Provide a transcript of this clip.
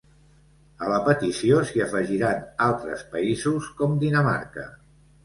A la petició s'hi afegiran altres països com Dinamarca